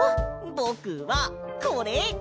ぼくはこれ！